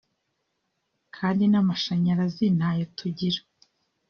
kandi n’amashanyarazi nta yo tugira”